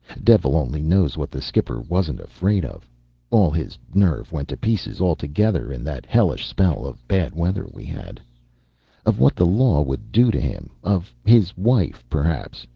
Devil only knows what the skipper wasn't afraid of (all his nerve went to pieces altogether in that hellish spell of bad weather we had) of what the law would do to him of his wife, perhaps.